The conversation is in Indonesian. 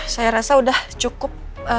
saya rasa udah cukup